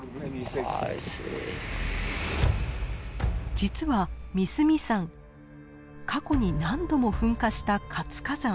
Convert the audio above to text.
実はミスミ山過去に何度も噴火した活火山。